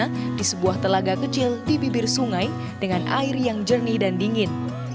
peserta bisa menambahkan kemampuan untuk menangkap air yang kecil di bibir sungai dengan air yang jernih dan dingin